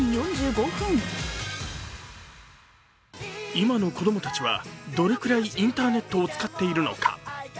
今の子供たちは、どれくらいインターネットを使っているのか。